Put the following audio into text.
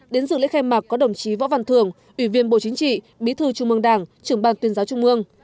đến dự lễ khai mạc có đồng chí võ văn thường ủy viên bộ chính trị bí thư trung mương đảng trưởng ban tuyên giáo trung mương